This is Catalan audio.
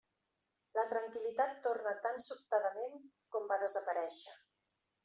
La tranquil·litat torna tan sobtadament com va desaparèixer.